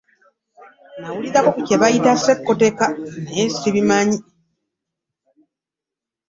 Nawulirako ku kye bayita ssekkoteka naye ssikimanyi.